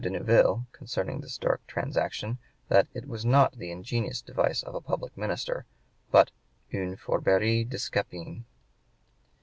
de Neuville, concerning this dark transaction, that "it was not the ingenious device of a public minister, but 'une fourberie de Scapin.'"